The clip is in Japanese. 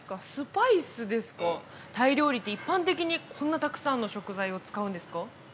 タイ料理って一般的にこんなたくさんの食材を使うんですか？